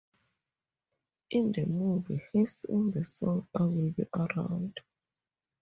In the movie he sings the song "I Will Be Around".